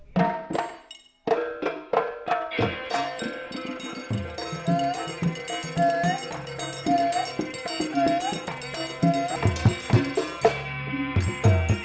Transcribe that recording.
ia merupakan penumpisanmu pada outgoing usaha kiasa pagafan asasi programmer